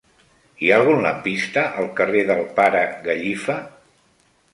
Hi ha algun lampista al carrer del Pare Gallifa?